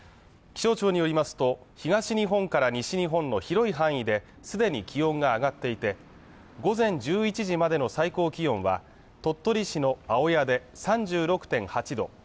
気象庁によりますと東日本から西日本の広い範囲ですでに気温が上がっていて午前１１時までの最高気温は鳥取市の青谷で３６．８度